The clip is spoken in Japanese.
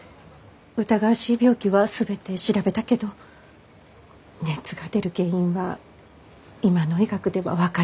疑わしい病気は全て調べたけど熱が出る原因は今の医学では分からないって。